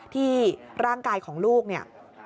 ที่ร่างกายของลูกเนี่ย